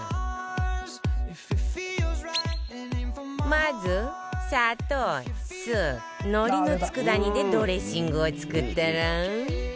まず砂糖酢海苔の佃煮でドレッシングを作ったら